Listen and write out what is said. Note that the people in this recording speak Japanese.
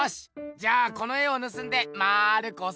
じゃあこの絵をぬすんでまるくおさめっか！